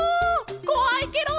こわいケロ！